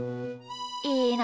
いいな。